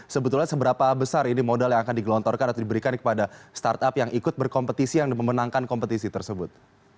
sebetulnya seberapa besar ini modal yang akan digelontorkan atau diberikan kepada startup yang ikut berkompetisi yang memenangkan kompetisi tersebut